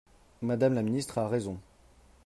Madame la ministre a raison